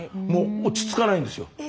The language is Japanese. もう落ち着かないんですよ。